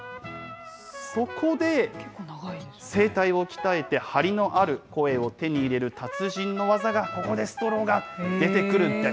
そこで、声帯を鍛えて、張りのある声を手に入れる達人の技が、ここでストローが出てくるんです。